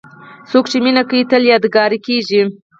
څوک چې مینه کوي، تل یادګاري کېږي.